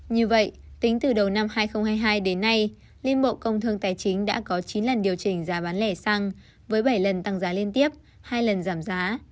như vậy tính từ đầu năm hai nghìn hai mươi hai đến nay liên bộ công thương tài chính đã có chín lần điều chỉnh giá bán lẻ xăng với bảy lần tăng giá liên tiếp hai lần giảm giá